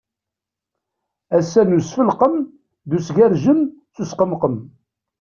Ass-a n usfelqem d usgerjem, s usqemqem.